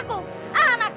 itu bukan urusan aku